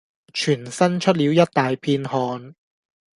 全身出了一大片汗。